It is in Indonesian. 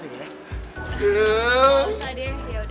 eh siapa yang cinti lagi ya